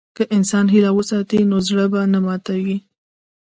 که انسان هیله وساتي، نو زړه به نه ماتيږي.